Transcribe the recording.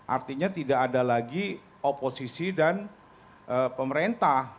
artinya tidak ada lagi oposisi dan pemerintah